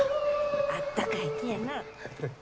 あったかい手やなフフッ